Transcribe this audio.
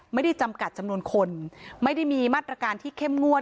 จำกัดจำนวนคนไม่ได้มีมาตรการที่เข้มงวด